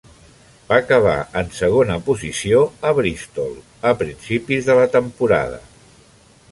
Va acabar en segona posició a Bristol a principis de la temporada.